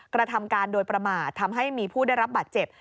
กระทำการโดยประมาททำให้มีผู้ได้รับบาดเจ็บ